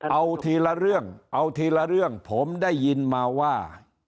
เอาทีละเรื่องเอาทีละเรื่องผมได้ยินมาว่า